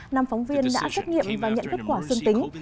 năm phóng viên đã xét nghiệm và nhận kết quả dương tính